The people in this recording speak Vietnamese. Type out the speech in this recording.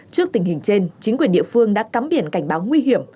trước tình hình trên chính quyền địa phương đã cắm biển cảnh báo nguy hiểm